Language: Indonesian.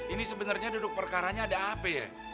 ini sebenernya duduk perkaranya ada apa ya